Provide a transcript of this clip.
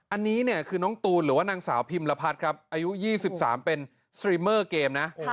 อันนี้เนี่ยคือน้องตูนหรือว่านางสาวพิมรพัฒน์ครับอายุ๒๓เป็นสตรีเมอร์เกมนะ